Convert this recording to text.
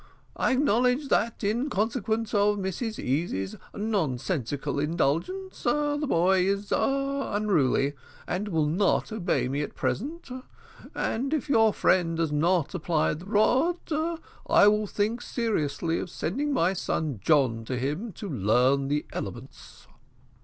I acknowledge that in consequence of Mrs Easy's nonsensical indulgence, the boy is unruly, and will not obey me at present; and if your friend does not apply the rod, I will think seriously of sending my son John to him to learn the elements."